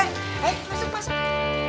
hei masuk masuk